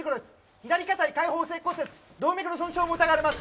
左下腿開放性骨折動脈の損傷も疑われます